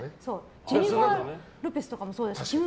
ジェニファー・ロペスとかもそうでした。